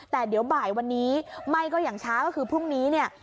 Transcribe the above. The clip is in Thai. แต่เดี๋ยวบ่ายวันนี้ไหม้ก็อย่างช้าก็คือพรุ่งนี้เนี่ย